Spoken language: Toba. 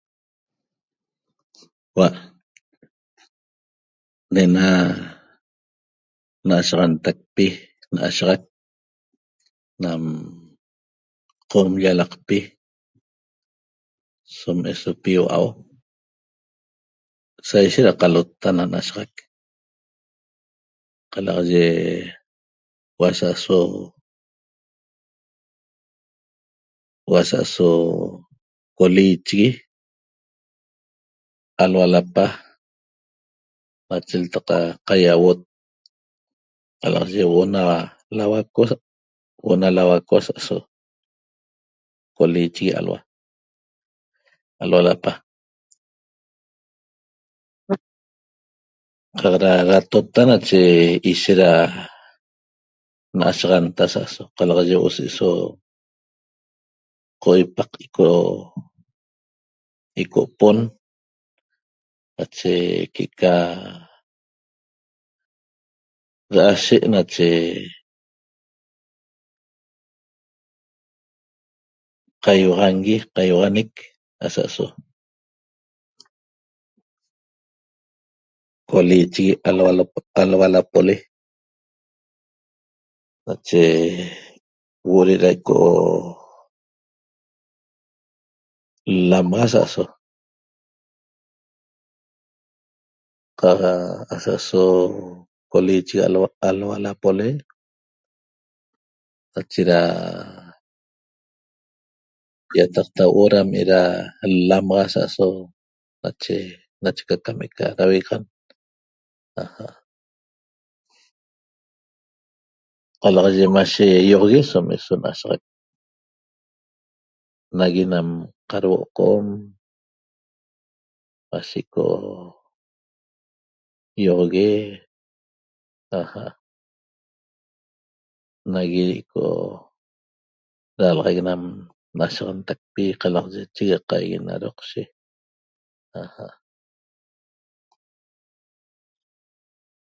Hua' ne'ena na'ashaxantacpi na'ashaxac nam qom llalaqpi som esopi hua'u saishet ra qalota na na'ashaxac qalaxaye huo'o asa'aso, huo'o asa'aso coliichigui alhua lapa nache ltaq qaiauot qalaxaye huo'o na lauaco, huo'o ana lauaco asa'aso coliiichigui alhua, alhua lapa. Qaq ra ratota nache ishet ra na'ashaxanta asa'aso qalaxaye huo'o se'eso qoipaq ico, ico pon nache que'eca ra'ashe nache qaiuaxangui qaiuaxanec asa'aso coliichigui alhua lapole nache huo'o re'era eco l-lamaxa sa'aso qaq asa'aso coliichigui alhua lapole nache ra iataqta huo'o ram era l-lamaxa asa'aso nache ca cam eca ravegaxan, aja' . Qalaxaye mashe ioxogue som eso na'ashaxac nagui nam qarhuo' qom mashe ico ioxogue aja'. Nagui ico ralaxaic nam na'ashaxantacpi qalaxaye chegaqaigui na roqshe, aja'.